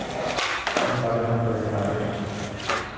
আমি বাজে ভান করিনি, হার্ডিন!